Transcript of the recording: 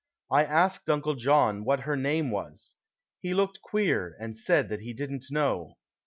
I asked Uncle John what her name was. He looked queer, and said that he didn't know.